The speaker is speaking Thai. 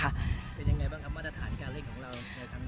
เป็นยังไงบ้างครับมาตรฐานการเล่นของเราในครั้งนี้